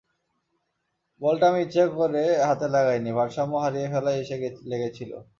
বলটা আমি ইচ্ছা করে হাতে লাগাইনি, ভারসাম্য হারিয়ে ফেলায় এসে লেগেছিল।